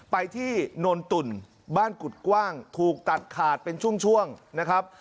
ไปที่นนตุ่นบ้านกุฎกว้างถูกตัดขาดเป็นช่วงนะครับ